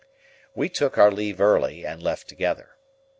We took our leave early, and left together.